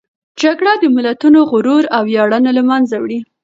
جګړه د ملتونو غرور او ویاړونه له منځه وړي.